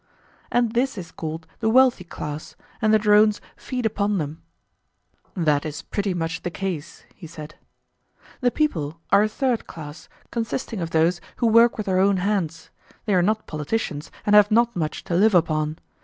And this is called the wealthy class, and the drones feed upon them. That is pretty much the case, he said. The people are a third class, consisting of those who work with their own hands; they are not politicians, and have not much to live upon.